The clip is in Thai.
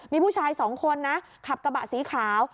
มีผู้ชายสองคนนะขับกระบะสีขาว